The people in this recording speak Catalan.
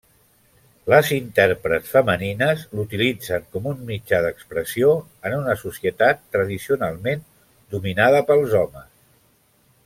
Les intèrprets femenines l'utilitzen com un mitjà d'expressió en una societat tradicionalment dominada pels homes.